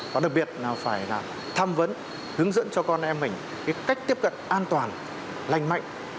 và đặc biệt là phải là tham vấn hướng dẫn cho con em mình cái cách tiếp cận an toàn lành mạnh